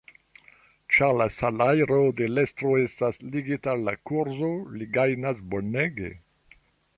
Ĉar la salajro de l’ estro estas ligita al la kurzo, li gajnas bonege.